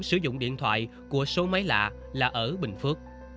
sử dụng điện thoại của số máy lạ là ở bình phước